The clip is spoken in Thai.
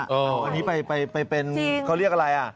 เออจริงจริงเอาอันนี้ไปเป็นเขาเรียกอะไร